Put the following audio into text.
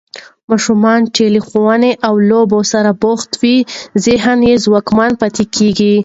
ماشومان چې له ښوونې او لوبو سره بوخت وي، ذهني ځواکمن پاتې کېږي.